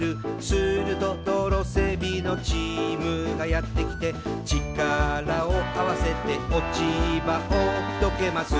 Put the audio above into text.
「すると道路整備のチームがやってきて」「ちからをあわせて落ち葉をどけます」